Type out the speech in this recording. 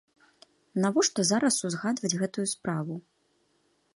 Навошта зараз узгадваць гэтую справу?